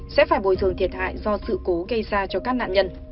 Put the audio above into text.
sẽ phải bồi thường thiệt hại do sự cố gây ra cho các nạn nhân